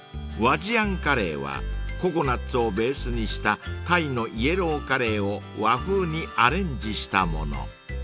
［ココナッツをベースにしたタイのイエローカレーを和風にアレンジしたもの］